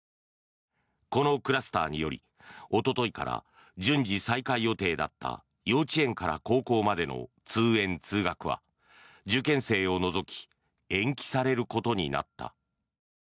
このクラスターによりおとといから順次再開予定だった幼稚園から高校までの通園・通学は受験生を除き延期されることになった。